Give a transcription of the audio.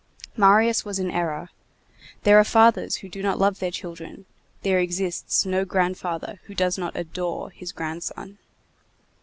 Marius was in error. There are fathers who do not love their children; there exists no grandfather who does not adore his grandson.